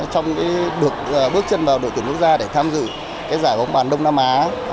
trong bước chân vào đội tuyển quốc gia để tham dự giải bóng bàn đông nam á